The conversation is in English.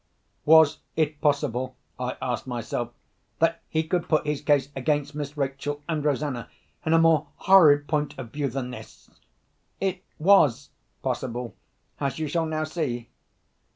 Was it possible (I asked myself) that he could put his case against Miss Rachel and Rosanna in a more horrid point of view than this? It was possible, as you shall now see.